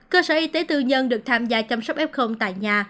cơ sở y tế tư nhân được tham gia chăm sóc f tại nhà